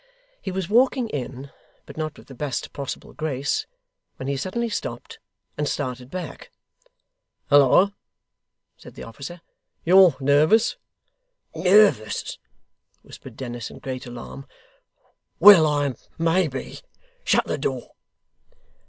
He was walking in, but not with the best possible grace, when he suddenly stopped, and started back. 'Halloa!' said the officer. 'You're nervous.' 'Nervous!' whispered Dennis in great alarm. 'Well I may be. Shut the door.